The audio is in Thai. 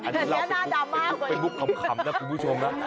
อันนี้เราจะเล่าในมุขคำขำนะคุณผู้ชมนะ